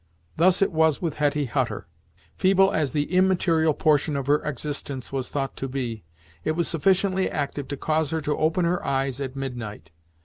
Thus it was with Hetty Hutter. Feeble as the immaterial portion of her existence was thought to be, it was sufficiently active to cause her to open her eyes at midnight.